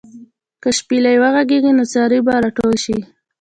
که شپېلۍ وغږېږي، نو څاروي به راټول شي.